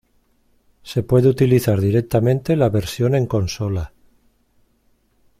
Se puede utilizar directamente la versión en consola.